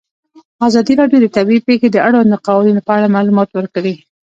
ازادي راډیو د طبیعي پېښې د اړونده قوانینو په اړه معلومات ورکړي.